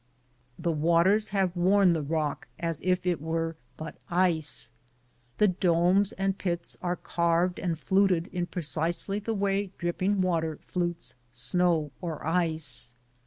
The waters have worn the rock as if it were but ice. The domes and pits are carved and fluted in precisely the way dripping water flutes snow or ice.